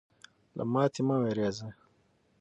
له ماتې مه ویرېږئ.